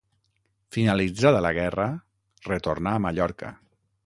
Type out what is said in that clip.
Finalitzada la guerra retornà a Mallorca.